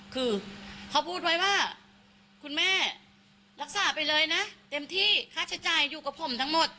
คือเขาพูดไว้ว่าคุณแม่รักษาไปเลยนะเต็มที่ค่าใช้จ่ายอยู่กับผมทั้งหมด